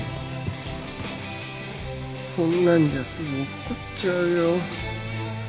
こんなんじゃすぐ落っこちちゃうよ。